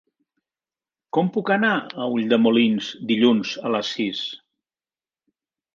Com puc anar a Ulldemolins dilluns a les sis?